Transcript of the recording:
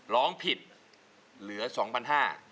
ร้องผิดเหลือ๒๕๐๐บาท